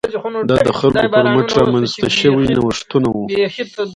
دا د خلکو پر مټ رامنځته شوي نوښتونه وو.